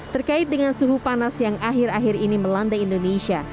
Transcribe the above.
terkait dengan suhu panas yang akhir akhir ini melanda indonesia